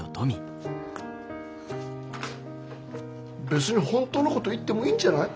別に本当のこと言ってもいいんじゃない？